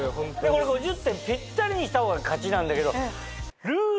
これ５０点ぴったりにした方が勝ちなんだけど。